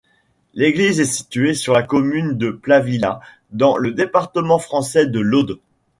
L'église est située sur la commune de Plavilla, dans le département français de l'Aude.